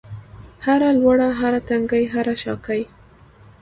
هره لوړه، هر تنګی هره شاګۍ